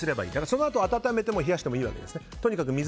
そのあと温めても冷やしてもいいわけですよね。